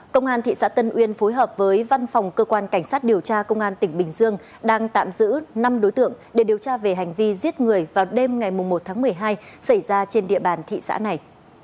công an thị xã tân uyên phối hợp với văn phòng cơ quan cảnh sát điều tra công an tỉnh bình dương đang tạm giữ năm đối tượng để điều tra về hành vi giết người vào đêm ngày một tháng một mươi hai xảy ra trên địa bàn thị xã này